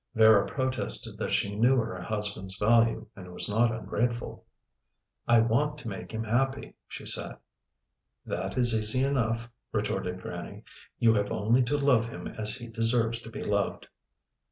Vera protested that she knew her husband's value, and was not ungrateful. "I want to make him happy," she said. "That is easy enough," retorted Grannie. "You have only to love him as he deserves to be loved."